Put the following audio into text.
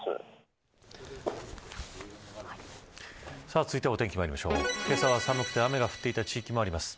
続いてはお天気にまいりましょう、けさは寒くて雨が降っていた地域もあります。